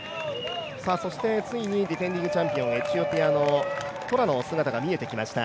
そしてついにディフェンディングチャンピオン、エチオピアのトラの姿が見えてきました。